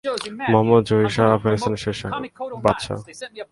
মুহাম্মদ জহির শাহ আফগানিস্তানের শেষ বাদশাহ।